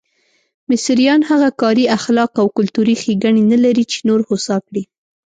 مصریان هغه کاري اخلاق او کلتوري ښېګڼې نه لري چې نور هوسا کړي.